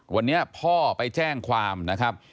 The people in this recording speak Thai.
วันนี้พ่อไปแจ้งความนะครับ